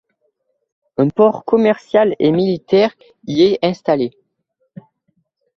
Un port commercial et militaire y est installé.